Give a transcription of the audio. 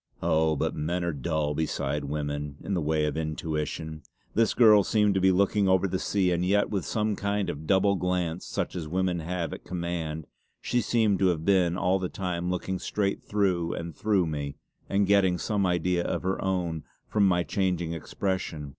Oh, but men are dull beside women in the way of intuition. This girl seemed to be looking over the sea, and yet with some kind of double glance, such as women have at command, she seemed to have been all the time looking straight through and through me and getting some idea of her own from my changing expression.